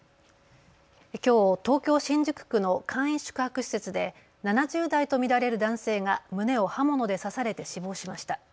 きょう東京新宿区の簡易宿泊施設で７０代と見られる男性が胸を刃物で刺されて死亡しました。